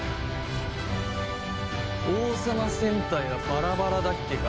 王様戦隊はバラバラだっけか？